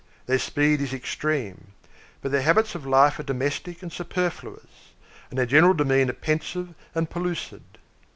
Their speed is extreme; but their habits of life are domestic and superfluous, and their general demeanor pensive and pellucid.